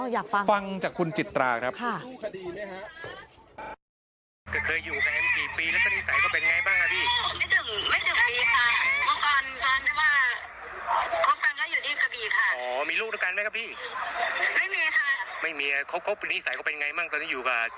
อยากฟังครับค่ะมีสู้คดีไหมครับฟังจากคุณจิตราครับค่ะ